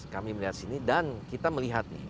kami melihat sini dan kita melihat nih